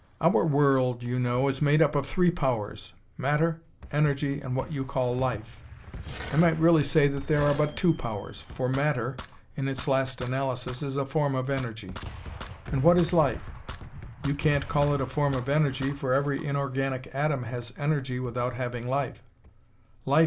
"Our world, you know, is made up of three powers: matter, energy and what you call life. I might really say that there are but two powers, for matter, in its last analysis, is a form of energy. And what is life? You can't call it a form of energy, for every inorganic atom has energy without having life.